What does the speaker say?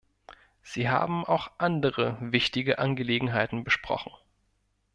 Sie haben auch andere wichtige Angelegenheiten besprochen.